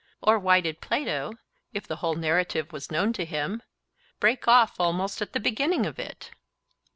or why did Plato, if the whole narrative was known to him, break off almost at the beginning of it?